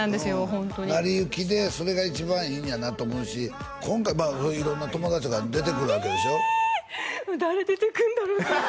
ホントに成り行きでそれが一番いいんやなと思うし今回まあ色んな友達が出てくるわけでしょひい！